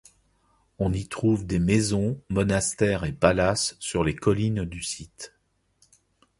On y trouve des maisons, monastères et palaces sur les collines du site.